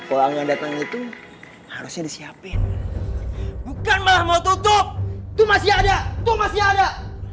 uang yang datang itu harusnya disiapin bukan malah mau tutup itu masih ada tuh masih ada